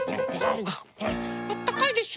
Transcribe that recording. あったかいでしょ？